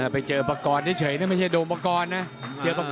ไปเจอปากกรที่เฉยเนี่ยไม่ใช่โดมปากกรนะ